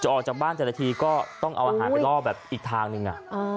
ออกจากบ้านแต่ละทีก็ต้องเอาอาหารไปล่อแบบอีกทางหนึ่ง